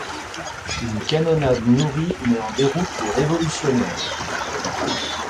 Une canonnade nourrie met en déroute les révolutionnaires.